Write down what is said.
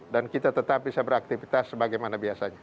dan kita tetap bisa beraktifitas sebagaimana biasanya